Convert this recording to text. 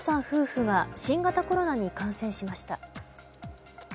夫婦が新型コロナに感染しました。